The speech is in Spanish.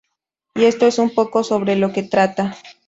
Y esto es un poco sobre lo que trata".